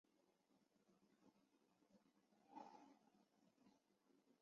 桥本曾开玩笑自己是为了拿省饭钱而踏入演艺圈的。